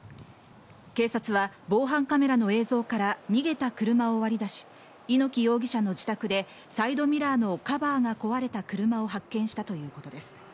警察は防犯カメラの映像から逃げたを割り出し猪木容疑者の自宅でサイドミラーのカバーが壊れた車を発見したということです。